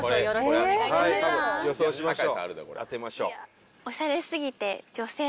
予想しましょう。